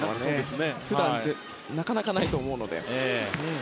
普段はなかなかないと思うので。